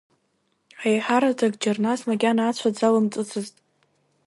Аиҳараӡак Џьарнас макьана ацәа дзалымҵыцызт.